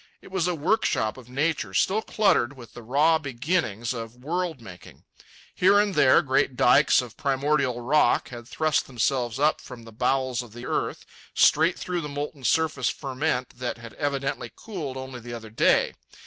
It was a workshop of nature still cluttered with the raw beginnings of world making. Here and there great dikes of primordial rock had thrust themselves up from the bowels of earth, straight through the molten surface ferment that had evidently cooled only the other day.